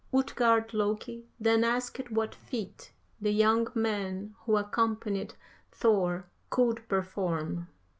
"Utgard Loki then asked what feat the young man who accompanied Thor could perform.